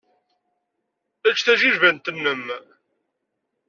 Ečč tajilbant-nnem.